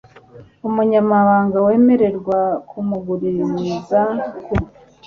umunyamahanga wemererwa kumuguririza ku